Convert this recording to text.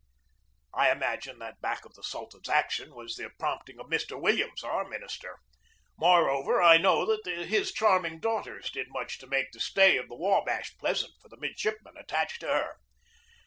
I imagine that back of the Sultan's action was the prompting of Mr. Williams, our minister. More over, I know that his charming daughters did much to make the stay of the W abash pleasant for the mid shipmen attached to her.